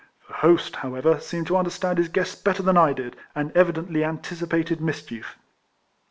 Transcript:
The host, however, seemed to understand his guests better than I did, and evidently anticipated mischief.